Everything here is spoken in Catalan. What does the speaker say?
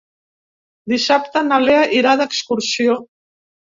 Dissabte na Lea irà d'excursió.